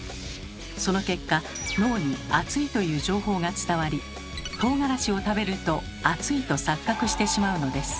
その結果脳に「熱い」という情報が伝わりトウガラシを食べると「熱い」と錯覚してしまうのです。